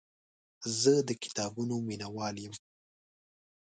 زه د کتابونو مینهوال یم.